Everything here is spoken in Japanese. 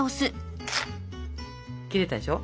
切れたでしょ？